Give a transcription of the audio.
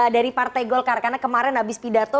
dari partai golkar karena kemarin habis pidato